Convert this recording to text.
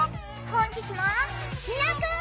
本日の主役！